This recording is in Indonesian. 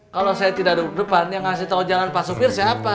kalau saya tidak duduk depannya ngasih tahu jalan pak sopir siapa